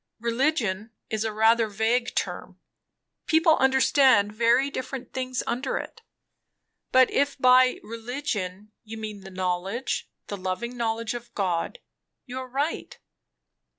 "Religion is a rather vague term people understand very different things under it. But if by 'religion' you mean the knowledge, the loving knowledge, of God, you are right.